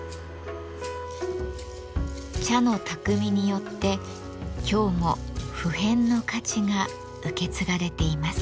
茶の匠によって今日も不変の価値が受け継がれています。